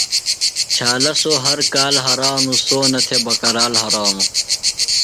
چھالہ سوۡ ہر کال ہرانوۡ ، سونہ تھۡے بکرال ہرانوۡ